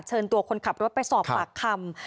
เชิญตัวคนขับรถไปสอบปากคำ